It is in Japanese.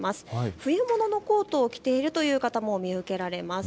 冬物のコートを着ているという方も見受けられます。